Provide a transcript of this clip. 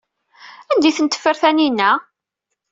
Anda ay ten-teffer Taninna?